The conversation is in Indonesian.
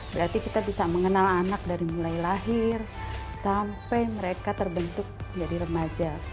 berarti kita bisa mengenal anak dari mulai lahir sampai mereka terbentuk jadi remaja